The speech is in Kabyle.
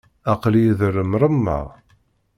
Aql-iyi di lemṛemma!